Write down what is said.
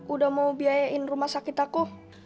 udah mau biayain rumah sakit aku